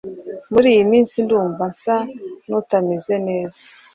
Muri iyi minsi ndumva nsa n’utameze neza!